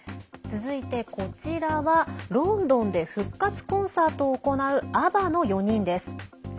続いて、こちらはロンドンで復活コンサートを行うＡＢＢＡの４人です。